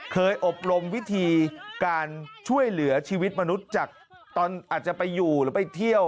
อบรมวิธีการช่วยเหลือชีวิตมนุษย์จากตอนอาจจะไปอยู่หรือไปเที่ยว